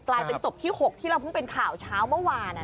กลายเป็นศพที่๖ที่เราเพิ่งเป็นข่าวเช้าเมื่อวาน